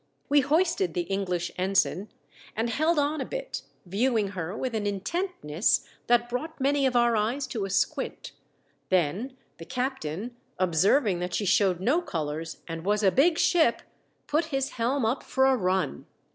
We hoisted the English ensign and held on a bit, viewing her with an intentness that brought many of our eyes to a squint ; then the captain, observing that she showed no colours and was a big ship, put his helm up for a run.